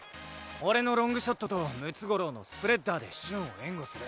俺のロングショットと６５６のスプレッダーで瞬を援護する。